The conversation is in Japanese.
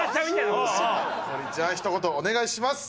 堀ちゃんひと言お願いします。